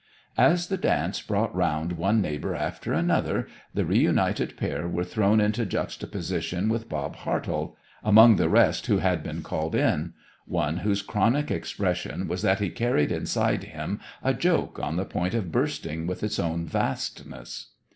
As the dance brought round one neighbour after another the re united pair were thrown into juxtaposition with Bob Heartall among the rest who had been called in; one whose chronic expression was that he carried inside him a joke on the point of bursting with its own vastness.